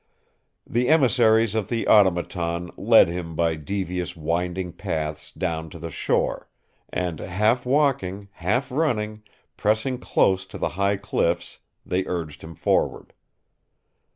The emissaries of the Automaton led him by devious winding paths down to the shore, and, half walking, half running, pressing close to the high cliffs, they urged him forward.